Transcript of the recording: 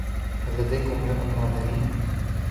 هل لديكم ماء معدني؟